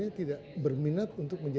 saya sudah berpunca